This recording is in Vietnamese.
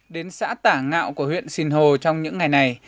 đến xã tả ngạo của huyện sinh hồ trong những ngày này